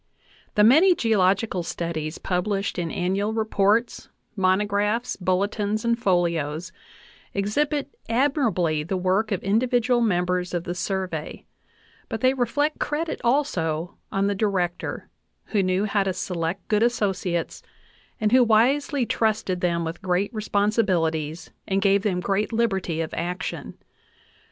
V*"" The many geological studies published in annual reports, monographs, bulletins, and folios exhibit admirably the work of individual members of the Survey; but they reflect credit also on the Director, who knew how to select good associates, and who wisely trusted them with great responsibilities and gave them great liberty of action.